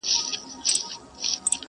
چي فارغ به یې کړ مړی له کفنه٫